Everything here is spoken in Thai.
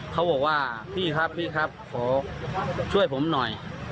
เขาบอกว่าพี่ครับพี่ครับขอช่วยผมหน่อย